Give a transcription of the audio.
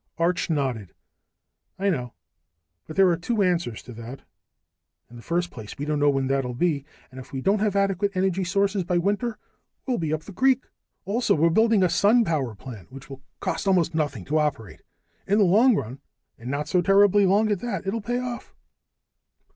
Arch nodded. "I know. But there are two answers to that. In the first place, we don't know when that'll be, and if we don't have adequate energy sources by winter we'll be up the creek. Also, we're building a sun power plant which will cost almost nothing to operate. In the long run, and not so terribly long at that, it'll pay off."